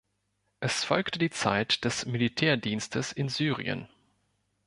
Es folgte die Zeit des Militärdienstes in Syrien.